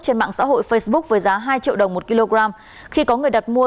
trên mạng xã hội facebook với giá hai triệu đồng một kg khi có người đặt mua